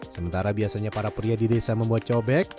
sementara biasanya para pria di desa membuat cobek